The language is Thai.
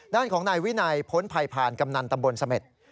ด้านของนายวินัยพ้นภัยผ่านกำนันตำบลเสม็ด